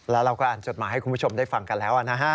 แล้วเราก็อ่านจดหมายให้คุณผู้ชมได้ฟังกันแล้วนะฮะ